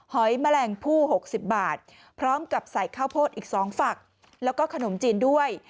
หอยแมลงผู้๖๐บาทพร้อมกับใส่ข้าวโพดอีก๒ฝักแล้วก็ขนมจีนด้วย